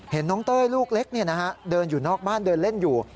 เห็นน้องเต้ยลูกเล็กเดินอยู่นอกบ้านเดินเล่นอยู่